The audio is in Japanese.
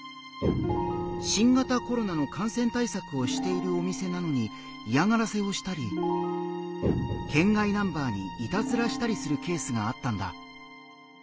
新型コロナの感染対策をしているお店なのに嫌がらせをしたり県外ナンバーにいたずらしたりするケースがあったんだ。